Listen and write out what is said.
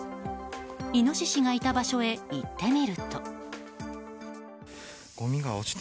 イノシシがいた場所に行ってみると。